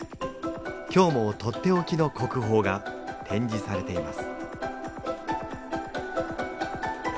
今日もとっておきの国宝が展示されています